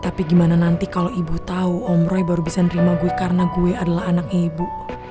tapi gimana nanti kalau ibu tahu om roy baru bisa nerima gue karena gue adalah anak ibu